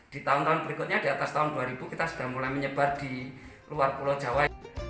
di tahun tahun berikutnya di atas tahun dua ribu kita sudah mulai menyebar di luar pulau jawa